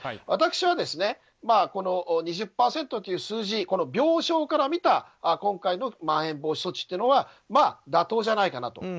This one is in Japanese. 私は２０％という数字病床から見た今回のまん延防止措置というのは妥当じゃないかなと。